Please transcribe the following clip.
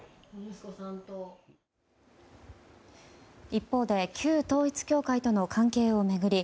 一方で旧統一教会との関係を巡り